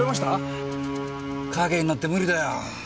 陰になって無理だよ。